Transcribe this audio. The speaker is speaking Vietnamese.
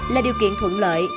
là điều kiện thuận lợi